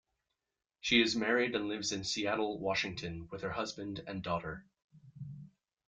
She is married and lives in Seattle, Washington with her husband and daughter.